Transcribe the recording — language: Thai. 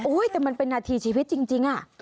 โอ้ยแต่มันเป็นนาธิชีวิตจริงอะ